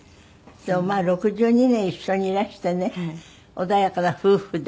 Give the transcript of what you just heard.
でもまあ６２年一緒にいらしてね穏やかな夫婦で。